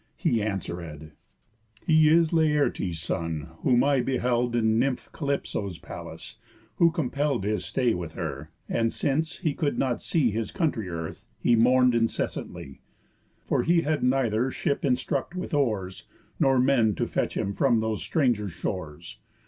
He answeréd: 'He is Laertes' son; whom I beheld In nymph Calypso's palace, who compell'd His stay with her, and, since he could not see His country earth, he mourn'd incessantly. For he had neither ship instruct with oars, Nor men to fetch him from those stranger shores.